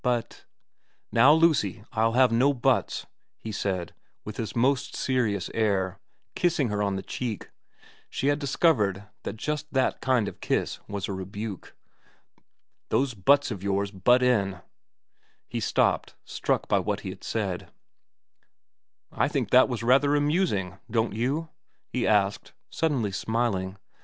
' But '' Now, Lucy, I'll have no buts,' he said, with his most serious air, kissing her on the cheek, she had discovered that just that kind of kiss was a rebuke. ' Those buts of yours butt in ' He stopped, struck by what he had said. 154 VERA xiv 4 1 think that was rather amusing don't you ?' he asked, suddenly smiling.